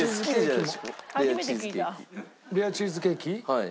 はい。